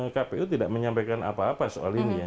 kpu tidak menyampaikan apa apa soal ini ya